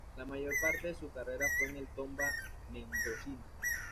La mayor parte de su carrera fue en el "Tomba" mendocino.